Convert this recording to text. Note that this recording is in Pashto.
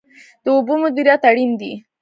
د اوبو مدیریت اړین دی.